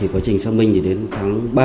quá trình xác minh thì đến tháng ba